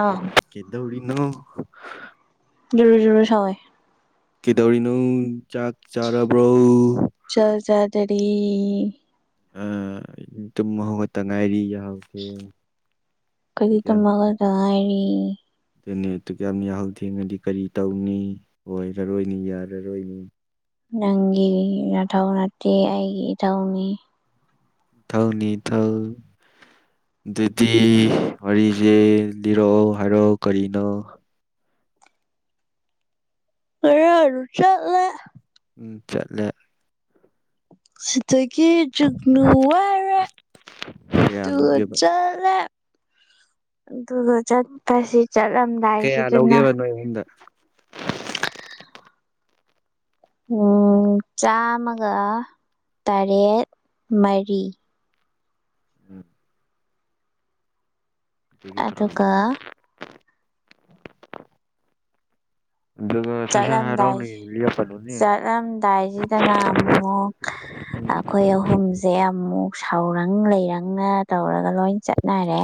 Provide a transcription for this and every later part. ꯑꯥ ꯀꯦꯗꯧꯔꯤꯅꯣ ꯖꯨꯔꯨ ꯖꯨꯔꯨ ꯁꯧꯋꯦ ꯀꯦꯗꯧꯔꯤꯅꯣ ꯆꯥꯛ ꯆꯥꯔꯕ꯭ꯔꯣ ꯆꯥ ꯆꯥꯗꯔꯤ ꯑꯥ ꯇꯨꯝ ꯍꯧꯒꯠꯇ ꯉꯥꯏꯔꯤ ꯌꯥꯍꯧꯊꯦꯡ ꯈꯣꯏꯗꯤ ꯇꯨꯝ ꯍꯧꯒꯠꯇ ꯉꯥꯏꯔꯤ ꯅꯦꯠꯇꯨ ꯌꯥꯝ ꯌꯥꯍꯧ ꯊꯦꯡꯅꯗꯤ ꯀꯔꯤ ꯇꯧꯅꯤ ꯑꯣꯏꯔꯔꯣꯏꯅꯦ ꯌꯥꯔꯔꯣꯏꯅꯤ ꯅꯪꯒꯤ ꯅꯊꯧ ꯅꯠꯇꯦ ꯑꯩꯒꯤ ꯏꯊꯧꯅꯤ ꯊꯧꯅꯤ ꯊꯧ ꯗꯨꯗꯤ ꯋꯥꯔꯤꯁꯦ ꯂꯤꯔꯛꯑꯣ ꯍꯥꯏꯔꯣ ꯀꯔꯤꯅꯣ ꯉꯔꯥꯡꯖꯨ ꯆꯠꯂꯦ ꯆꯠꯂꯦ [unintelligible] ꯀꯤ ꯖꯨꯒꯅꯨ ꯋꯥꯏꯔꯦ ꯀꯌꯥ ꯑꯗꯨꯒ ꯂꯧꯒꯦꯕ ꯆꯠꯂꯦ ꯑꯗꯨꯒ ꯆꯠꯄꯁꯤ ꯀꯌꯥ ꯆꯠꯂꯝꯗꯥꯏꯁꯤꯗꯅ ꯂꯧꯒꯦꯕ ꯅꯣꯏ ꯑꯍꯨꯝꯗ [unintelligible] ꯆꯥꯝꯃꯒ ꯇꯔꯦꯠ ꯃꯔꯤ [inaudible] ꯑꯗꯨꯒ [unintelligible] ꯑꯥ ꯁꯠ ꯁꯠ ꯆꯠꯂꯝꯗꯥꯏ ꯍꯥꯏꯔꯛꯑꯣꯅꯦ [unintelligible] ꯆꯠꯂꯝꯗꯥꯏꯁꯤꯗꯅ ꯑꯃꯨꯛ ꯑꯈꯣꯏ ꯑꯍꯨꯝꯖꯦ ꯑꯃꯨꯛ ꯁꯥꯎꯔꯪ ꯂꯩꯔꯪꯅ ꯇꯧꯔꯒ ꯂꯣꯏ ꯆꯠꯅꯔꯦ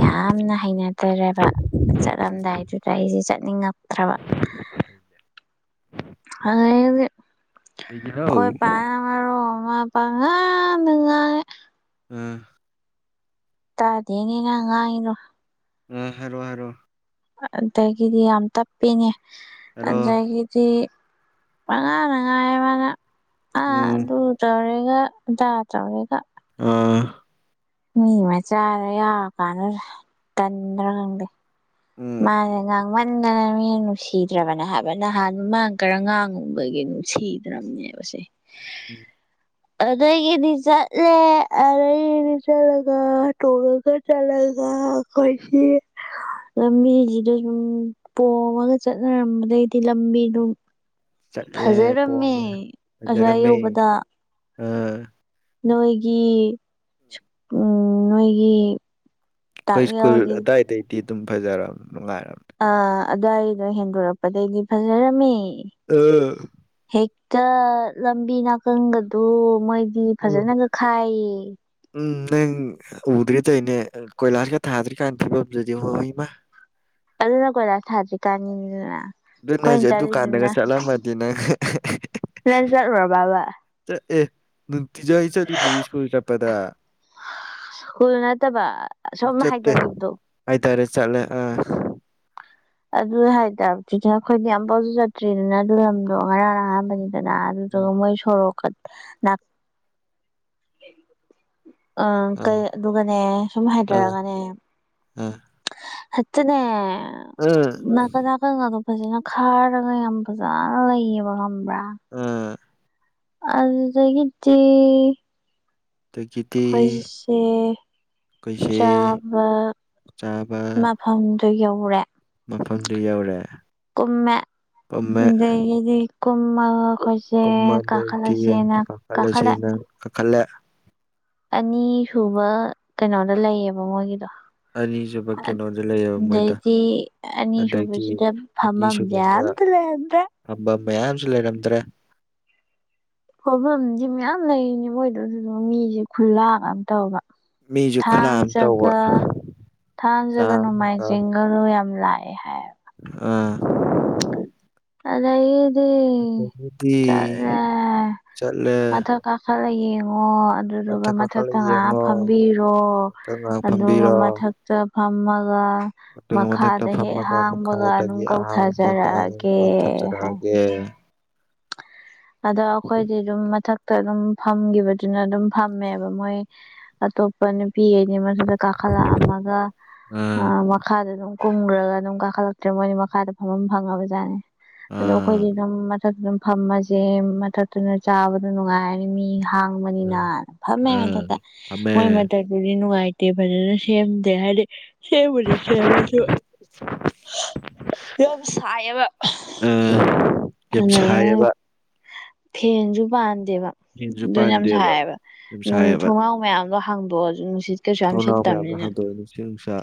ꯌꯥꯝꯅ ꯍꯩꯅꯗꯔꯦꯕ ꯆꯠꯂꯝꯗꯥꯏꯗꯨꯗ ꯑꯩꯁꯦ ꯆꯠꯅꯤꯡꯉꯛꯇ꯭ꯔꯕ [inaudible] ꯑꯗꯩꯗꯤ ꯀꯩꯒꯤꯅꯣ ꯈꯣꯏ ꯄꯥꯅ ꯃꯔꯣꯝ ꯋꯥ ꯄꯪꯉꯥꯡꯗ ꯉꯥꯡꯉꯦ ꯑ ꯇꯥꯗꯦꯅꯦ ꯅꯪ ꯉꯥꯡꯉꯤꯗꯣ ꯎꯝ ꯍꯥꯏꯔꯣ ꯍꯥꯏꯔꯣ ꯑꯗꯒꯤꯗꯤ ꯌꯥꯝ ꯇꯞꯄꯤꯅꯦ ꯍꯥꯏꯔꯣ ꯑꯗꯒꯤꯗꯤ ꯄꯉꯥꯡꯗ ꯉꯥꯡꯉꯦ ꯃꯥꯅ ꯑ ꯎꯝ ꯑꯗꯨ ꯇꯧꯔꯦꯒ ꯖꯥ ꯖꯥꯠ ꯅꯤꯗ ꯑꯥ ꯃꯤ ꯃꯆꯥꯗꯨ ꯌꯥꯎꯔꯀꯥꯟꯗꯨꯗ ꯇꯟꯗ꯭ꯔꯥ ꯈꯪꯗꯦ ꯎꯝ ꯃꯥꯅꯦ ꯉꯥꯡꯃꯟꯗꯅ ꯃꯤꯅ ꯅꯨꯡꯁꯤꯗ꯭ꯔꯕꯅꯦ ꯍꯥꯏꯕ ꯅꯍꯥꯟ ꯃꯥꯟ ꯀꯔ ꯉꯥꯡꯉꯨꯕꯒꯤ ꯅꯨꯡꯁꯤꯗ꯭ꯔꯝꯅꯦꯕꯁꯦ [inaudible] ꯑꯗꯨꯗꯩꯒꯤꯗꯤ ꯆꯠꯂꯦ ꯑꯗꯩꯒꯤꯗꯤ ꯆꯠꯂꯒ ꯇꯣꯡꯉꯒ ꯆꯠꯂ ꯗꯥ ꯀꯣꯏꯁꯤ ꯂꯝꯕꯤꯁꯤꯗ ꯁꯨꯝ ꯄꯣꯝꯃꯒ ꯆꯠꯅꯔꯝꯕꯗꯩꯗꯤ ꯂꯝꯕꯤꯗꯨꯝ ꯆꯠꯂꯦ ꯐꯖꯔꯝꯃꯦ ꯄꯣꯝꯃꯦ ꯑꯁ꯭ꯋꯥꯏ ꯐꯖꯔꯝꯃꯦ ꯌꯧꯕꯗ [unintelligible] ꯅꯣꯏꯒꯤ ꯎꯝ ꯅꯣꯏꯒꯤ ꯑꯩꯈꯣꯏ ꯁ꯭ꯀꯨꯜ ꯇꯥꯛꯌꯦꯜꯒꯤ ꯑꯗꯥꯏꯗꯩꯗꯤ ꯑꯗꯨꯝ ꯐꯖꯔꯝ ꯅꯨꯡꯉꯥꯏꯔꯝꯅꯤ ꯑꯗꯥꯏꯗ ꯍꯦꯟꯗꯣꯔꯛꯄꯗꯩꯗꯤ ꯐꯖꯔꯝꯃꯦ ꯑꯥ ꯆꯠ ꯂꯝꯕꯤ ꯅꯥꯀꯟꯒꯗꯣ ꯃꯣꯏ ꯗꯤ ꯐꯖꯟꯅꯒ ꯈꯥꯏꯌꯦ ꯇꯩꯗꯤ ꯀꯣꯏꯂꯥꯁꯒ ꯊꯥꯗ꯭ꯔꯤꯀꯥꯟ ꯐꯤꯕꯝꯗꯨꯗꯤ ꯍꯣ ꯏꯃꯥ ꯑꯗꯨꯅ ꯀꯣꯏꯂꯥꯁ ꯊꯥꯗ꯭ꯔꯤ ꯀꯥꯟꯒꯤꯅꯤꯗꯅ ꯑꯗꯨꯅ ꯈꯣꯏꯅ ꯍꯧꯖꯤꯛ ꯑꯗꯨꯀꯥꯟꯗꯒ ꯆꯠꯂꯤꯗꯨꯅ ꯆꯠꯂꯝꯃꯗꯤ ꯅꯪ ꯅꯪ ꯆꯠꯂꯨꯔꯕꯕ ꯆꯠꯑꯦ ꯅꯨꯡꯇꯤꯖꯥꯏ ꯆꯠꯂꯤꯗꯨꯗꯤ ꯁ꯭ꯀꯨꯜ ꯆꯠꯄꯗ ꯁ꯭ꯀꯨꯜ ꯅꯠꯇꯕ ꯑꯁꯣꯝ ꯍꯥꯏꯗꯒꯤꯕꯗꯣ ꯇꯔꯦ ꯆꯠꯂꯦ ꯑ ꯑꯗꯨ ꯍꯥꯏꯇꯥꯝꯅꯤ [unintelligible] ꯌꯥꯝ ꯄꯥꯡꯁꯨ ꯆꯠꯇ꯭ꯔꯤꯗꯅ ꯑꯗꯨ ꯂꯝꯗꯣ ꯉꯔꯥꯡ ꯑꯍꯥꯟꯕꯅꯤ ꯀꯅꯥꯅ ꯎꯝ ꯆꯠꯂꯣ ꯃꯣꯢ ꯁꯣꯔꯣꯛꯀꯗꯣ ꯅꯥꯛ ꯑ ꯑꯥ ꯀꯩ ꯑꯗꯨꯒꯅꯦ ꯁꯨꯝ ꯑꯥ ꯍꯥꯏꯙꯔꯒꯅꯦ ꯑꯥ ꯍꯠꯇꯦꯅꯦ ꯑꯥ ꯅꯥꯀꯟ ꯅꯥꯀꯟꯒꯥꯗꯣ ꯐꯖꯅ ꯈꯥꯔꯒ ꯌꯥꯝ ꯐꯖꯅ ꯂꯩꯌꯦꯕ ꯈꯪꯕ꯭ꯔꯥ ꯑꯥ ꯑꯗꯨꯗꯒꯤꯗꯤ ꯑꯗꯒꯤꯗꯤ ꯑꯈꯣꯏꯁꯨꯁꯦ ꯑꯩꯈꯣꯏꯁꯦ ꯆꯥꯕ ꯆꯥꯕ ꯃꯐꯝꯗꯨ ꯌꯧꯔꯦ ꯃꯐꯝꯗꯨ ꯌꯧꯔꯦ ꯀꯨꯝꯃꯦ ꯄꯝꯃꯦ ꯑꯗꯒꯤꯗꯤ ꯀꯨꯝꯃꯒ ꯑꯩꯈꯣꯏꯁꯦ ꯀꯨꯝꯃꯗꯩꯗꯤ ꯀꯥꯈꯠꯂꯁꯦꯅ ꯀꯥꯈꯠꯂꯦ ꯀꯥꯈꯠꯂꯁꯦꯅ ꯀꯥꯈꯠꯂꯦ ꯑꯅꯤ ꯁꯨꯕ ꯀꯩꯅꯣꯗ ꯂꯩꯌꯦꯕ ꯃꯣꯏꯒꯤꯗꯣ ꯑꯅꯤꯁꯨꯕ ꯀꯩꯅꯣꯗ ꯂꯩꯌꯦꯕ ꯃꯣꯏꯗꯣ ꯑꯗꯩꯗꯤ ꯑꯗꯒꯤ ꯑꯅꯤꯁꯨꯕꯁꯤꯗ ꯐꯝꯐꯝꯖꯦ ꯑꯅꯤꯁꯨꯕꯗ ꯑꯝꯇ ꯂꯩꯔꯝꯗ꯭ꯔꯦ ꯐꯝꯕ ꯃꯌꯥꯝꯁꯨ ꯂꯩꯔꯝꯗ꯭ꯔꯦ ꯐꯝꯚꯝꯗꯤ ꯃꯌꯥꯝ ꯂꯩꯔꯤꯅꯤ ꯃꯣꯏꯗꯣ ꯑꯗꯨꯗ ꯃꯤꯁꯦ ꯈꯨꯜꯂꯥꯛꯑꯝ ꯇꯧꯕ ꯃꯤꯁꯨ ꯊꯥꯡ ꯈꯨꯠꯂꯥꯝ ꯇꯧꯕ ꯖꯒꯥ ꯊꯥꯡꯖꯒ ꯆꯥꯝꯃꯒ ꯅꯣꯡꯃꯥꯏꯖꯤꯡꯒꯗꯨ ꯌꯥꯝ ꯂꯥꯛ ꯑꯦ ꯍꯥꯏ ꯑꯥ ꯑꯗꯩꯒꯤꯗꯤ ꯑꯗꯒꯤꯗꯤ ꯆꯠꯂꯦ ꯆꯠꯂꯦ ꯃꯊꯛ ꯀꯥꯈꯠ ꯂ ꯌꯦꯡꯉꯣ ꯑꯗꯨꯗꯨꯒ ꯃꯊꯛ ꯀꯥꯈꯠꯂ ꯃꯊꯛꯇ ꯉꯥꯏꯍꯥꯛ ꯌꯦꯡꯉꯣ ꯐꯝꯕꯤꯔꯣ ꯃꯊꯛ ꯉꯥꯏꯍꯥꯛ ꯑꯗꯨꯒ ꯐꯝꯕꯤꯔꯣ ꯃꯊꯛꯇ ꯐꯝꯃꯒ ꯑꯗꯨꯒ ꯃꯊꯛꯇ ꯃꯈꯥꯗ ꯍꯦꯛ ꯐꯝꯃꯒ ꯍꯥꯡꯕꯒ ꯑꯗꯨꯝ ꯀꯧꯊꯖꯔꯛꯑ ꯀ ꯊꯞꯖꯔꯛꯑꯒꯦ ꯑꯗꯣ ꯑꯩꯈꯣꯏꯗꯤ ꯑꯗꯨꯝ ꯃꯊꯛ ꯇ ꯑꯗꯨꯝ ꯐꯝꯒꯤꯕꯗꯨꯅ ꯑꯗꯨꯝ ꯐꯝꯃꯦꯕ ꯃꯣꯏ ꯑꯇꯣꯞꯄ ꯅꯨ ꯄꯤ ꯑꯅꯤ ꯃꯊꯛꯇ ꯀꯥꯈꯠꯂꯛꯑꯝꯃꯒ ꯑ ꯑꯥ ꯃꯈꯥꯗꯅ ꯑꯗꯨꯝ ꯀꯨꯝꯈ꯭ꯔꯒ ꯑꯗꯨꯝ ꯀꯥꯈꯠꯂꯛꯇ꯭ꯔꯦ ꯃꯣꯏꯅꯤ ꯃꯈꯥꯗ ꯐꯝꯐꯝ ꯐꯪꯉꯕꯖꯥꯠꯅꯤ ꯑꯗꯣ ꯑꯥ ꯑꯩꯈꯣꯏꯗꯤ ꯑꯗꯨꯝ ꯃꯊꯛꯇ ꯑꯗꯨꯝ ꯐꯝꯃꯖꯦ ꯃꯊꯛꯇꯨꯅ ꯆꯥꯕꯗ ꯅꯨꯡꯉꯥꯏꯔꯅꯤ ꯃꯤ ꯍꯥꯡꯕꯅꯤꯅ ꯐꯝꯃꯦ ꯑꯥ ꯃꯊꯛꯇ ꯐꯝꯃꯦ ꯃꯣꯏ ꯃꯊꯛꯇꯨꯗꯤ ꯅꯨꯡꯉꯥꯏ ꯇꯦ ꯐꯖꯅ ꯁꯦꯝꯗꯦ ꯍꯥꯢꯗꯤ ꯁꯦꯝꯕꯨꯗꯤ ꯁꯦꯝꯃꯁꯨ ꯌꯥꯝ ꯁꯥꯏꯌꯦꯕ ꯑꯥ ꯌꯥꯝ ꯁꯥꯏꯌꯦꯕ ꯐꯦꯟꯖꯨ ꯄꯥꯟꯗꯦꯕ ꯐꯦꯟꯁꯨ ꯑꯗꯨꯅ ꯌꯥꯝ ꯄꯥꯟꯗꯦꯕ ꯁꯥꯏꯌꯦꯕ ꯌꯥꯝ ꯅꯣꯡ ꯊꯣꯡꯅꯥꯎ ꯃꯌꯥꯝ ꯗꯣ ꯍꯥꯡꯗꯣꯛꯑꯣꯁꯨ ꯅꯨꯡꯁꯤꯠ ꯀꯩꯁꯨ ꯌꯥꯝ ꯊꯧꯅꯥꯎ ꯃꯌꯥꯝꯗꯣ ꯁꯤꯠꯇꯕꯅꯤꯅ ꯍꯥꯡꯗꯣꯛꯎ ꯅꯨꯡꯁꯤꯠ ꯅꯨꯡꯁꯥ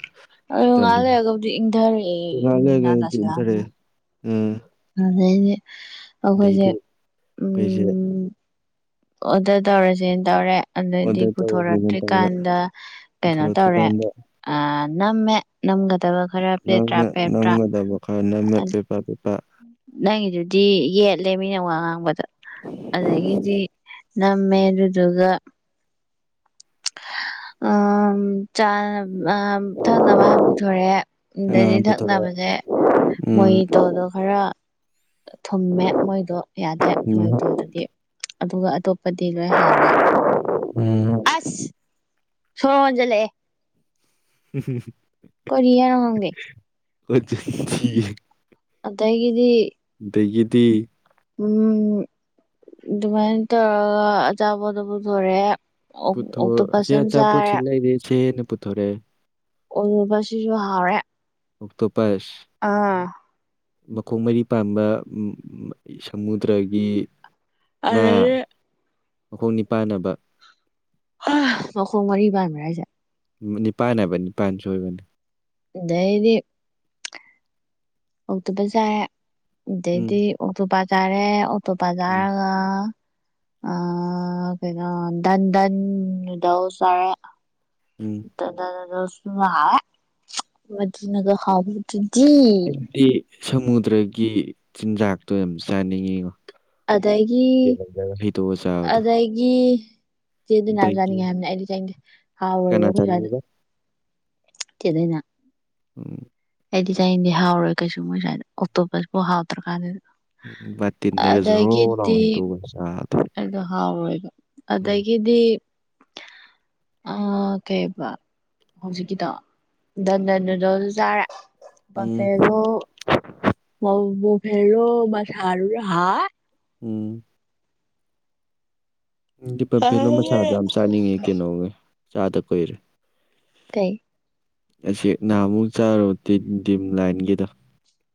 ꯑꯗꯨ ꯉꯥꯏꯍꯥꯛ ꯇꯔꯝꯗꯅ ꯂꯩꯔꯒꯕꯨꯗꯤ ꯏꯪꯊꯔꯛꯑꯦ ꯉꯥꯏꯍꯥꯛ ꯅꯨꯡꯗꯥꯡ ꯂꯩꯔꯒꯗꯤ ꯇꯥꯁꯤꯜꯂꯛ ꯑꯕꯅꯤꯅ ꯏꯪꯊꯔꯛꯑꯦ ꯎꯝ ꯑꯗꯩꯗꯤ ꯑꯩꯈꯣꯏꯁꯦ ꯑꯗꯩꯗꯤ ꯎꯝ ꯑꯩꯈꯣꯏꯁꯦ ꯑꯣꯗꯔ ꯇꯧꯔꯁꯦꯅ ꯇꯧꯔꯦ ꯑꯗꯩꯗꯤ ꯑꯣꯗꯔ ꯇꯧꯔꯁꯦꯅ ꯇꯧꯔꯦ ꯄꯨꯊꯣꯔꯛꯇ꯭ꯔꯤꯀꯥꯟꯗ ꯀꯩꯅꯣ ꯇꯧꯔꯦ ꯄꯨꯊꯣꯔꯛꯇ꯭ꯔꯤꯀꯥꯟꯗ ꯑ ꯅꯝꯃꯦ ꯅꯝꯒꯗꯕ ꯈꯔ ꯄꯦꯠꯇ꯭ꯔꯥ ꯅꯪꯅ ꯄꯦꯄ꯭ꯔꯥ ꯅꯝꯒꯗꯕ ꯈꯔ ꯅꯝꯃꯦ ꯄꯦꯄꯥ ꯄꯦꯄꯥ ꯅꯪꯒꯤꯗꯨꯗꯤ ꯌꯦꯠꯂꯦ ꯃꯤꯅ ꯋꯥ ꯉꯥꯡꯕꯗ ꯑꯗꯒꯤꯗꯤ ꯅꯝꯃꯦ ꯑꯗꯨꯗꯨꯒ ꯑꯥꯝ ꯥ ꯆꯥꯅ ꯑꯥ ꯊꯛꯅꯕ ꯍꯥꯟ ꯄꯨꯊꯣꯔꯛꯑꯦ ꯉꯥ ꯑꯗꯩꯗꯤ ꯄꯨꯊꯣꯔꯛꯑꯦ ꯊꯛꯅꯕꯖꯦ ꯎꯝ ꯃꯣꯏꯒꯤ ꯇꯨꯜꯗꯣ ꯈꯔ ꯊꯨꯝꯃꯦ ꯃꯣꯏꯗꯣ ꯌꯥꯗꯦ ꯎꯝ ꯃꯣꯏꯇꯣ ꯗꯨꯗꯤ ꯑꯗꯨꯒ ꯑꯇꯣꯞꯄꯗꯤ ꯂꯣꯏ ꯍꯥꯎꯔꯦ ꯎꯝ ꯑꯁ ꯁꯣꯔ ꯍꯣꯟꯖꯜꯂꯛꯑꯦ [inaudible] ꯀꯔꯤ ꯍꯥꯏꯅꯣ ꯈꯪꯗꯦ ꯋꯦꯠ ꯊꯤꯔꯦ ꯑꯗꯩꯒꯤꯗꯤ ꯑꯗꯩꯒꯤꯗꯤ ꯎꯝ ꯑꯗꯨꯃꯥꯏꯅ ꯇꯧꯔꯒ ꯑꯆꯥꯄꯣꯠꯇꯣ ꯄꯨꯊꯣꯔꯛꯑꯦ ꯄꯨꯊꯣ ꯁꯦ ꯑꯣꯛꯇꯣꯄꯁ ꯑꯃ ꯑꯆꯥꯄꯣꯠ ꯁꯤ ꯆꯥꯔꯦ ꯂꯩꯔꯦ ꯏꯆꯦ ꯅ ꯄꯨꯊꯣꯔꯛꯑꯦ ꯑꯣꯉꯨꯕꯁꯤꯁꯨ ꯍꯥꯎꯔꯦ ꯑꯣꯛꯇꯣꯄꯁ ꯑꯥ ꯃꯈꯣꯡ ꯃꯔꯤ ꯄꯥꯟꯕ ꯎꯝ ꯁꯃꯨꯗ꯭ꯔꯒꯤ ꯉꯥ ꯑꯔꯩꯔꯤ ꯃꯈꯣꯡ ꯅꯤꯄꯥꯟ ꯑꯣꯏꯕ ꯍ ꯃꯈꯣꯡ ꯃꯔꯤ ꯄꯥꯟꯕ꯭ꯔ ꯍꯥꯏꯖꯦ ꯅꯤꯄꯥꯟ ꯍꯥꯏꯕ ꯅꯤꯄꯥꯟ ꯁꯣꯏꯕꯅꯦ ꯑꯗꯩꯗꯤ ꯑꯣꯛꯇꯣꯄꯁ ꯆꯥꯔꯦ ꯎꯝ ꯑꯗꯩꯗꯤ ꯑꯣꯛꯇꯣꯄꯥ ꯆꯥꯔꯦ ꯑꯣꯇꯣꯄꯥ ꯎꯝ ꯆꯥꯔꯒ ꯑꯥ ꯀꯩꯅꯣ ꯗꯟ ꯗꯟ ꯅꯨꯗꯜꯁ ꯆꯥꯔꯦ ꯎꯝ ꯗꯟ ꯗꯟ ꯅꯨꯗꯜꯁ ꯗꯨꯃꯥ ꯍꯥꯎꯌꯦ ꯃꯗꯨꯅꯒ ꯍꯥꯎꯕꯗꯨꯗꯤ ꯑꯩꯗꯤ ꯁꯃꯨꯗ꯭ꯔꯒꯤ ꯆꯤꯟꯖꯥꯛꯇꯣ ꯌꯥꯝ ꯆꯥꯅꯤꯡꯉꯤꯉꯣ ꯑꯗꯒꯤ ꯇꯦꯕꯜꯗꯒ ꯍꯩꯗꯣꯛꯑ ꯆꯥꯕꯗꯣ ꯑꯗꯒꯤ ꯆꯦ ꯗꯥꯏꯅꯥꯖꯨ ꯑꯗꯒꯤ ꯆꯥꯅꯤꯡꯉꯦ ꯍꯥꯏꯕꯅꯦ ꯑꯩꯗꯤ ꯆꯥꯅꯤꯡꯗꯦ ꯀꯅꯥ ꯍꯥꯎꯔꯣꯏꯕ ꯑꯈꯣꯏ ꯁꯥꯏꯗ ꯆꯥꯅꯤꯡꯉꯤꯕ ꯆꯦ ꯗꯥꯏꯅꯥ ꯎꯝ ꯑꯩꯗꯤ ꯆꯥꯅꯤꯡꯗꯦ ꯍꯥꯎꯔꯣꯏ ꯀꯩꯁꯨ ꯃꯣꯏ ꯁ꯭ꯋꯥꯏꯗ ꯑꯣꯛꯇꯣꯄꯁꯄꯨ ꯍꯥꯎꯇ꯭ꯔꯀꯥꯟꯖꯤꯗ ꯎꯝ ꯕꯥꯇꯤꯟꯗꯒ ꯖꯣꯔꯣ ꯂꯥꯎ ꯍꯩꯗꯣꯛꯑꯒ ꯆꯥꯕ ꯑꯗꯣ ꯍꯥꯎꯔꯣꯏꯕ ꯑꯗꯒꯤꯗꯤ [inaudible] ꯑꯥ ꯀꯩꯌꯦꯕ ꯍꯧꯖꯤꯛꯀꯤꯗꯣ ꯗꯟ ꯗꯟ ꯅꯨꯗꯜꯖꯨ ꯆꯥꯔꯦ ꯎꯝ ꯕꯐꯦꯜꯂꯣ ꯑꯧ ꯕꯐꯦꯜꯂꯣ ꯃꯁꯥꯗꯨꯖꯨ ꯍꯥꯎꯋꯦ ꯎꯝ ꯎꯝ ꯗꯤ ꯕꯐꯦꯜꯂꯣ ꯃꯁꯥꯗꯣ ꯌꯥꯝ ꯆꯥꯅꯤꯡꯉꯤ ꯀꯩꯅꯣꯒ ꯆꯥꯗ ꯀꯨꯏꯔꯦ ꯀꯩ ꯑꯁꯦꯛ ꯅꯍꯥꯃꯨꯛ ꯆꯥꯔꯨꯗꯤ ꯇꯤꯗꯤꯝ ꯂꯥꯏꯟꯒꯤꯗ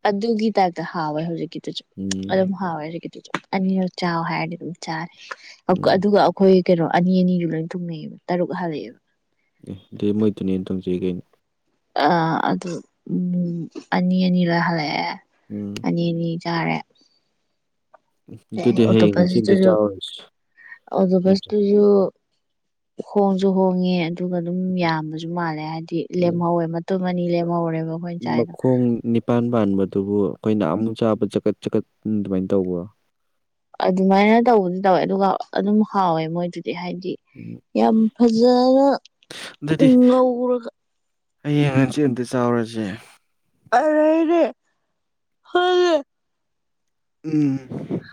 ꯑꯗꯨꯒꯤ ꯇꯥꯏꯞꯇ ꯍꯥꯎꯋꯦ ꯍꯧꯖꯤꯛꯀꯤꯗꯨꯖꯨ ꯎꯝ ꯑꯗꯨꯝ ꯍꯥꯎꯋꯦ ꯍꯨꯖꯤꯛꯀꯤ ꯑꯅꯤꯔꯛ ꯆꯥꯎ ꯍꯥꯏꯔꯗꯤ ꯑꯗꯨꯝ ꯆꯥꯅꯤ ꯑꯧꯀ ꯎꯝ ꯑꯗꯨꯒ ꯑꯈꯣꯏ ꯀꯩꯅꯣ ꯑꯅꯤ ꯑꯅꯤꯖꯨ ꯂꯣꯏ ꯊꯨꯡꯅꯩꯌꯦꯕ ꯇꯔꯨꯛ ꯍꯥꯜꯂꯛꯑꯦꯕ ꯑꯦ ꯑꯗꯨꯗꯤ ꯃꯣꯏꯗꯨꯅ ꯍꯦꯟꯅ ꯇꯣꯡꯖꯩ ꯀꯩꯅꯣ ꯑꯥ ꯑꯗꯨ ꯎꯝ ꯑꯅꯤ ꯑꯅꯤꯔ ꯍꯥꯜꯂꯛꯑꯦ ꯎꯝ ꯑꯅꯤ ꯑꯅꯤ ꯆꯥꯔꯦ ꯀꯩ ꯍꯥꯏꯅꯤ ꯑꯗꯨꯗꯤ ꯍꯌꯦꯡ ꯍꯪꯆꯤꯠ ꯑꯝꯇ ꯑꯣꯛꯇꯣꯄꯁꯇꯨꯖꯨ ꯆꯥꯎꯔꯁꯤ ꯌꯥꯝ ꯆꯥꯅꯤꯡꯉꯦ ꯑꯣꯛꯇꯣꯄꯁꯇꯨꯖꯨ ꯍꯣꯡꯖꯨ ꯍꯣꯡꯉꯦ ꯑꯗꯨꯒ ꯑꯗꯨꯝ ꯌꯥꯝꯕꯁꯨ ꯃꯥꯜꯂꯦ ꯍꯥꯏꯕꯗꯤ ꯎꯝ ꯂꯦꯝꯍꯧꯋꯦ ꯃꯇꯨꯝ ꯑꯅꯤ ꯂꯦꯝꯍꯧꯔꯦꯕ ꯑꯩꯈꯣꯏ ꯆꯥꯏꯗꯣ ꯏꯥꯟ ꯄꯥꯟꯕꯗꯨꯕꯨ ꯑꯩꯈꯣꯏꯅꯍꯥꯃꯨꯛ ꯆꯥꯕ ꯆꯀꯠ ꯆꯀꯠ ꯑꯗꯨꯃꯥꯏꯅ ꯇꯧꯕ꯭ꯔꯣ ꯑꯗꯨꯃꯥꯏꯅ ꯇꯧꯕꯗꯤ ꯇꯧꯋꯦ ꯑꯗꯨꯒ ꯑꯗꯨꯝ ꯍꯥꯎꯋꯦ ꯃꯣꯏꯗꯤ ꯗꯤ ꯍꯥꯏꯗꯤ ꯎꯝ ꯌꯥꯝ ꯐꯖꯅ ꯑꯗꯨꯗꯤ ꯉꯧꯔꯒ ꯍꯌꯦꯡ ꯍꯪꯁꯤꯠ ꯑꯝꯇ ꯆꯥꯎꯔꯁꯦ ꯑꯔꯩꯔꯤ ꯈꯪꯗꯦ ꯎꯝ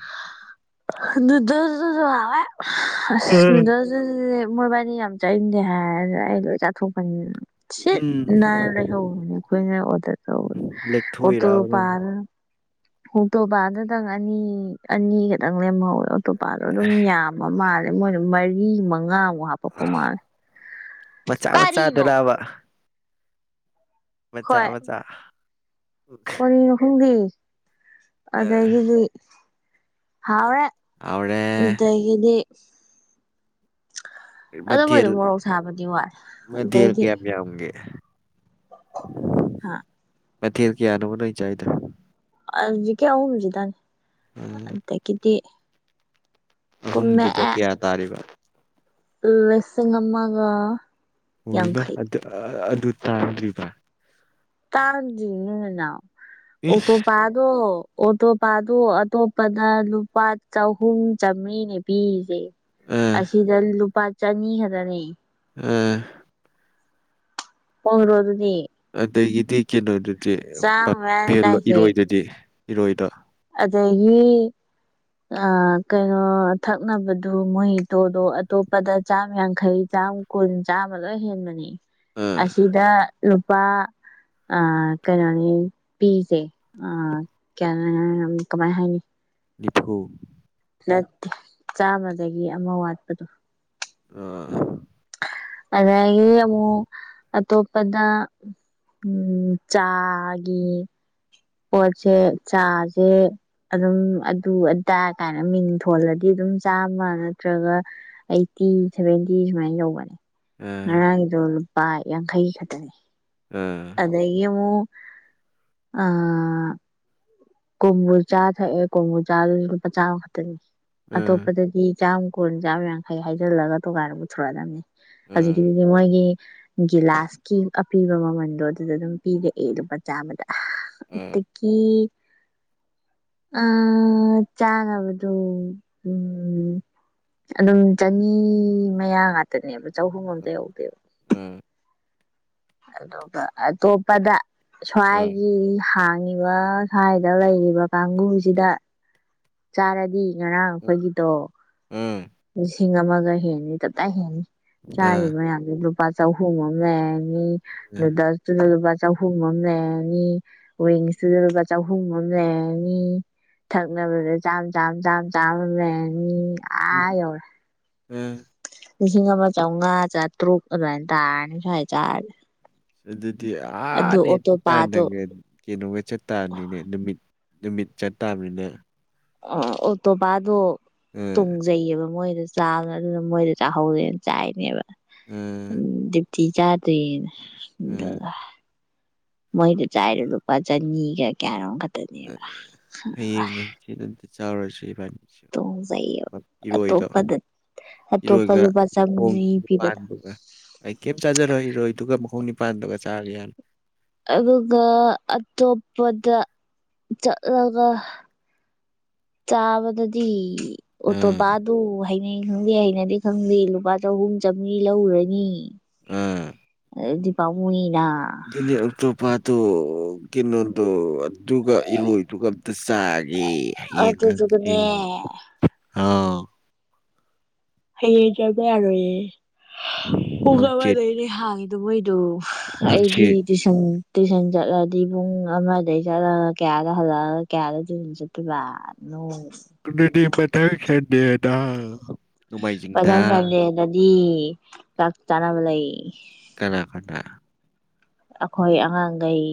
ꯅꯨꯗꯜꯗꯨꯁꯨ ꯍꯥꯎꯋꯦ ꯑꯁ ꯎꯝ ꯅꯨꯗꯜꯗꯨꯖꯨꯅꯦ ꯃꯣꯏꯕꯥꯏꯅꯤ ꯌꯥꯝ ꯆꯠꯅꯤꯡꯗꯦ ꯍꯥꯏꯔ ꯑꯩ ꯂꯣꯏ ꯆꯥꯠꯊꯣꯛꯄꯅꯤꯅ ꯁꯤꯠ ꯎꯝ ꯅꯥꯟꯅ ꯂꯩꯍꯣꯕꯅꯤ ꯑꯈꯣꯢꯅ ꯑꯣꯗ꯭ꯔ ꯇꯧꯕꯗꯨ ꯂꯦꯛꯊꯣꯛꯏꯔꯕ ꯅꯪ ꯑꯣꯇꯣꯄꯥꯗꯨꯅ ꯑꯣꯇꯣꯕꯥꯗꯨꯗꯪ ꯑꯅꯤ ꯑꯅꯤꯒꯛꯇꯪ ꯂꯦꯝꯍꯧꯋꯦ ꯑꯣꯇꯣꯄꯥꯗꯣ ꯑꯗꯨꯝ ꯌꯥꯝꯕ ꯃꯥꯜꯂꯦ ꯃꯣꯏꯗꯣ ꯃꯔꯤ ꯃꯉꯥꯃꯨꯛ ꯍꯥꯄꯛꯄ ꯃꯥꯜꯂꯦ ꯃꯆꯥ ꯀꯔꯤꯅꯣ ꯃꯆꯥꯗꯨꯔꯥꯕ ꯃꯆꯥ ꯃꯆꯥ ꯀꯣꯔꯤꯅꯣ ꯈꯪꯗꯦ ꯑꯗꯒꯤꯗꯤ ꯍꯥꯎꯋꯦ ꯍꯥꯎꯔꯦ ꯗꯒꯤꯗꯤ ꯑꯗꯨ ꯃꯊꯦꯜ ꯃꯣꯏꯗꯣ ꯃꯣꯔꯣꯛ ꯁꯥꯕꯗꯤ ꯋꯥꯠꯂꯦ ꯃꯊꯦꯜ ꯑꯗꯩꯗꯤ ꯀꯌꯥꯝ ꯌꯥꯝꯒꯦ ꯍꯥ ꯃꯊꯦꯜ ꯀꯌꯥꯅꯣꯕ ꯅꯣꯏ ꯆꯥꯏꯗꯣ ꯑꯖꯤꯛꯀꯤ ꯑꯍꯨꯝꯖꯤꯗꯅꯤ ꯎꯝ ꯑꯗꯒꯤꯗꯤ ꯑꯍꯨꯝꯗꯨꯗ ꯀꯨꯝꯃꯛꯑꯦ ꯀꯌꯥ ꯇꯥꯔꯤꯕ ꯂꯤꯁꯤꯡ ꯑꯃꯒ ꯑꯣꯢꯃꯥ ꯌꯥꯡꯈꯩ ꯑꯗ ꯑ ꯑ ꯑꯗꯨ ꯇꯥꯡꯗ꯭ꯔꯤꯕ ꯇꯥꯥꯡꯗ꯭ꯔꯤꯅꯤ ꯅꯅꯥꯎ ꯏꯁ ꯑꯣꯇꯣꯄꯥꯗꯣ ꯑꯣꯇꯣꯄꯥꯗꯨ ꯑꯇꯣꯞꯄꯅ ꯂꯨꯄꯥ ꯆꯍꯨꯝ ꯆꯥꯝꯃ꯭ꯔꯤꯅꯦ ꯄꯤꯔꯤꯖꯦ ꯑ ꯑꯁꯤꯗ ꯂꯨꯄꯥ ꯆꯅꯤ ꯈꯛꯇꯅꯦ ꯑ ꯍꯣꯜꯗ꯭ꯔꯣ ꯑꯗꯨꯗꯤ ꯑꯗꯒꯤꯗꯤ ꯀꯩꯅꯣꯗꯨꯗꯤ ꯆꯥꯝꯃ ꯄꯞꯄꯦ ꯃꯌꯥꯅꯤ ꯇꯥꯏꯁꯦ ꯏꯔꯣꯏꯗꯨꯗꯤ ꯏꯔꯣꯏꯗꯣ ꯑꯗꯒꯤ ꯑ ꯀꯩꯅꯣ ꯊꯛꯅꯕꯗꯨ ꯃꯣꯏ ꯇꯣꯗꯣ ꯑꯇꯣꯞꯄꯗ ꯆꯥꯝ ꯌꯥꯡꯈꯩ ꯆꯥꯝ ꯀꯨꯟ ꯆꯥꯝꯃ ꯂꯣꯏ ꯍꯦꯟꯕꯅꯦ ꯑꯥ ꯑꯁꯤꯗ ꯂꯨꯄꯥ ꯑ ꯀꯩꯅꯣꯅꯤ ꯄꯤꯖꯦ ꯑ [unintelligible] ꯎꯝ ꯀꯃꯥꯏ ꯍꯥꯏꯅꯤ ꯅꯤꯐꯨ ꯅꯠꯇꯦ ꯆꯥꯝꯃꯗꯒꯤ ꯑꯃ ꯋꯥꯠꯄꯗꯣ ꯑꯥ ꯑꯗꯒꯤ ꯑꯃꯨꯛ ꯑꯇꯣꯞ ꯄꯗ ꯎꯝ ꯆꯥꯒꯤ ꯄꯣꯠꯁꯦ ꯆꯥꯁꯦ ꯑꯗꯨꯝ ꯑꯗꯨ ꯑꯗꯥ ꯀꯥꯏꯅ ꯃꯤꯡ ꯊꯣꯜꯂꯗꯤ ꯑꯗꯨꯝ ꯁꯨꯝ ꯆꯥꯃ ꯅꯠꯇ꯭ꯔꯒ ꯑꯩꯠꯇꯤ ꯁꯦꯚꯦꯟꯇꯤ ꯁꯨꯃꯥꯏꯅ ꯌꯧꯕꯅꯦ ꯑꯥ ꯉꯔꯥꯡꯒꯤꯗꯣ ꯂꯨꯄꯥ ꯌꯥꯡꯈꯩ ꯈꯛꯇꯅꯦ ꯑꯥ ꯑꯗꯒꯤ ꯑꯃꯨꯛ ꯑꯥ ꯀꯣꯝꯕꯣ ꯆꯥ ꯊꯛꯑꯦ ꯀꯣꯝꯕꯣ ꯆꯥꯗꯨꯁꯨ ꯂꯨꯄꯥ ꯆꯥꯝꯃ ꯈꯛꯇꯅꯤ ꯑꯥ ꯑꯇꯣꯞꯄꯗꯗꯤ ꯆꯥꯝ ꯀꯨꯟ ꯆꯥꯝ ꯌꯥꯡꯈꯩ ꯍꯥꯏꯖꯤꯜꯂꯒ ꯇꯣꯉꯥꯟꯅ ꯄꯨꯊꯣꯔꯛꯑꯗꯝꯅꯦ ꯑꯥ ꯍꯖꯤꯛꯀꯤꯗꯨꯗꯤ ꯃꯣꯏꯒꯤ ꯒꯤꯂꯥꯁꯀꯤ ꯑꯄꯤꯕ ꯃꯃꯟꯗꯣ ꯑꯗꯨꯗ ꯑꯗꯨꯝ ꯄꯤꯔꯛꯑꯦ ꯂꯨꯄꯥ ꯆꯥꯝꯃꯗ ꯑꯥ ꯑꯥ ꯑꯠꯇꯗꯒꯤ [inaudible] ꯑ ꯆꯥꯅꯕꯗꯣ ꯎꯝ ꯑꯗꯨꯝ ꯆꯅꯤ ꯃꯌꯥ ꯉꯥꯛꯇꯅꯦꯕ ꯆꯍꯨꯝ ꯑꯝꯇ ꯌꯧꯗꯦꯕ ꯑꯥ ꯑꯗꯨꯒ ꯑꯇꯣꯞꯄꯗ ꯁ꯭ꯋꯥꯏꯒꯤ ꯍꯥꯡ ꯉꯤꯕ ꯁ꯭ꯋꯥꯏꯗ ꯂꯩꯔꯤꯕ ꯀꯥꯡꯒꯨꯁꯤꯗ ꯆꯥꯔꯗꯤ ꯉꯔꯥꯡ ꯑꯩꯈꯣꯏꯒꯤꯗꯣ ꯂꯤꯁꯤꯡ ꯑꯃꯒ ꯍꯦꯟꯅꯤ ꯇꯞꯇꯥꯢ ꯍꯦꯟꯅꯤ ꯑꯥ ꯆꯥꯔꯤꯕ ꯑꯥ ꯃꯌꯥꯝꯗꯨ ꯗꯨꯝ ꯂꯨꯄꯥ ꯆꯍꯨꯝ ꯑꯝ ꯂꯩꯔꯅꯤ ꯑꯥ ꯅꯨꯗꯜꯁꯇꯨꯖꯨ ꯂꯨꯄꯥ ꯆꯍꯨꯝ ꯑꯃ ꯂꯩꯔꯅꯤ ꯋꯤꯡꯁꯇꯨꯗ ꯂꯨꯄꯥ ꯆꯍꯨꯝ ꯑꯃ ꯂꯩꯔꯅꯤ ꯊꯛꯅꯕꯗ ꯆꯥꯝ ꯆꯥꯝ ꯆꯥꯝ ꯆꯥꯝ ꯂꯩꯔꯅꯤ ꯎꯝ ꯑꯥ ꯌꯧꯔꯦ ꯑ ꯂꯤꯁꯤꯡ ꯑꯃ ꯆꯧꯉꯥ ꯆꯥꯇ꯭ꯔꯨꯛ ꯑꯗꯨꯃꯥꯏꯅ ꯇꯥꯔꯅꯤ ꯁ꯭ꯋꯥꯏ ꯆꯥꯔꯗꯤ ꯑꯗꯨꯗꯤ ꯑꯗꯨ ꯑꯥꯅꯦ ꯑꯣꯇꯣꯄꯥꯗꯣ ꯇꯥꯟꯅꯒ ꯀꯩꯅꯣꯒ ꯆꯠ ꯇꯥꯝꯅꯤꯅꯦ ꯅꯨꯃꯤꯠ ꯅꯨꯃꯤꯠ ꯆꯠ ꯇꯥꯥꯕꯅꯤꯅꯦ ꯑ ꯑꯣ ꯇꯣꯄꯥꯗꯣ ꯑꯥ ꯇꯣꯡꯖꯩꯌꯦꯕ ꯃꯣꯏ ꯑꯗꯨ ꯆꯥꯕ ꯑꯗꯨꯅ ꯃꯣꯏꯗ ꯆꯥꯍꯧꯔꯦꯅ ꯆꯥꯏꯅꯦꯕ ꯎꯝ ꯇꯤ ꯆꯥꯗ꯭ꯔꯤꯅ ꯑꯗꯣ ꯎꯝ ꯃꯣꯏꯗ ꯆꯥꯏꯗꯣ ꯂꯨꯄꯥ ꯆꯅꯤꯒ ꯀꯌꯥ ꯅꯣꯝ ꯈꯛ ꯍꯌꯦꯡꯔ ꯍꯪꯆꯤꯠꯔ ꯑꯝꯇ ꯆꯥꯎꯔꯁꯤ ꯏꯕꯥꯅꯤ ꯇꯣꯡꯖꯩꯌꯦꯕ ꯏꯔꯣꯏꯗꯣ ꯑꯇꯣꯞꯄꯗ ꯑꯇꯣꯞꯄ ꯏꯔꯣꯏꯒ ꯂꯨꯄꯥ ꯃꯈꯣꯡ ꯆꯥꯝꯃꯔꯤ ꯄꯤꯕꯗ ꯅꯤꯄꯥꯟꯗꯨꯒ ꯑꯩ ꯀꯩꯝ ꯆꯥꯖꯔꯣꯏ ꯏꯔꯣꯏꯗꯨꯒ ꯃꯈꯣꯡ ꯅꯤꯥ ꯅꯤꯄꯥꯟꯗꯨꯒ ꯆꯥꯔꯗꯤ ꯌꯥ ꯑꯗꯨꯒ ꯑꯇꯣꯞꯄꯗ ꯆꯠꯂꯒ ꯆꯥꯕꯗꯗꯤ ꯑꯣꯇꯣ ꯎꯝ ꯄꯥꯗꯨ ꯍꯩꯅꯩ ꯈꯪꯗꯦ ꯍꯩꯅꯗꯦ ꯈꯪꯗꯦ ꯂꯨꯄꯥ ꯆꯍꯨꯝ ꯆꯥꯝꯔꯤ ꯂꯧꯒ꯭ꯔꯅꯤ ꯎꯝ ꯑꯩꯗꯤ ꯄꯥꯝꯃꯨꯢꯌꯦ ꯑꯗꯨꯗꯤ ꯑꯣꯛꯇꯣꯄꯥꯗꯣ ꯀꯤꯅꯣꯗꯣ ꯑꯗꯨꯒ ꯏꯔꯣꯏꯗꯨꯒ ꯑꯝꯇ ꯆꯥꯒꯦ ꯍꯌꯦꯡ ꯑꯗꯨꯗꯨꯒꯅꯦ ꯍꯪꯆꯤꯠ ꯑꯥ ꯍꯌꯦꯡ ꯆꯠꯄ ꯌꯥꯔꯣꯏꯌꯦ ꯄꯨꯡ ꯍꯪꯆꯤꯠ ꯑꯃꯗꯩꯅꯦ ꯍꯥꯡꯉꯤꯗꯣ ꯃꯣꯏ ꯑꯗꯨ ꯑꯩꯗꯤ ꯍꯪꯆꯤꯠ ꯇꯨꯏꯁꯟ ꯇꯨꯏꯁꯟ ꯆꯠꯂꯗꯤ ꯄꯨꯡ ꯑꯃꯗꯩ ꯆꯠꯂꯒ ꯀꯌꯥꯗ ꯍꯜꯂꯛꯑꯒ ꯀꯌꯥꯗ ꯇꯨꯏꯁꯟ ꯆꯠꯇꯣꯢꯕ ꯅꯣ ꯑꯗꯨꯗꯤ ꯃꯊꯪ ꯁꯟꯗꯦꯗꯥ ꯃꯊꯪ ꯁꯟꯗꯦꯗꯗꯤ ꯆꯥꯛ ꯆꯥꯅꯕ ꯂꯩ ꯀꯅꯥ ꯀꯅꯥ ꯑꯩꯈꯣꯏ ꯑꯉꯥꯡꯒꯩ